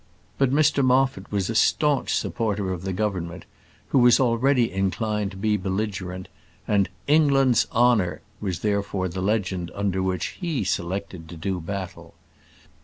But Mr Moffat was a staunch supporter of the Government, who were already inclined to be belligerent, and "England's honour" was therefore the legend under which he selected to do battle.